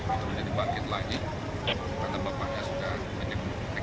akan dibangkit lagi karena bapaknya sudah menjeput